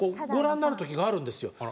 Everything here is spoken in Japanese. ご覧になる時があるんですよ。